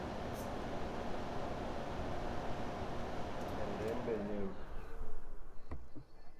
Thoth was written originally in Eh with some assembly language.